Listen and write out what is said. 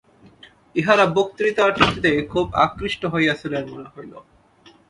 ইঁহারা বক্তৃতাটিতে খুব আকৃষ্ট হইয়াছিলেন, মনে হইল।